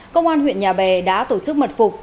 công an huyện nhà bè đã tổ chức mật phục